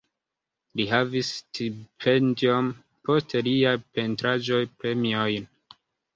Li havis stipendion, poste liaj pentraĵoj premiojn.